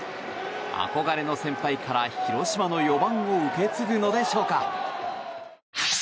憧れの先輩から広島の４番を受け継ぐのでしょうか。